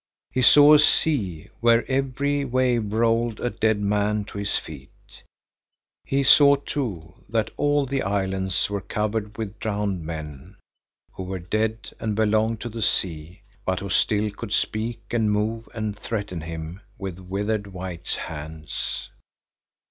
He saw a sea, where every wave rolled a dead man to his feet. He saw, too, that all the islands were covered with drowned men, who were dead and belonged to the sea, but who still could speak and move and threaten him with withered white hands.